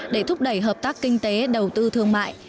để thúc đẩy hợp tác kinh tế đầu tư thương mại